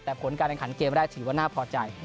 แต่ผลการแข่งขันเกมแรกถือว่าน่าพอใจ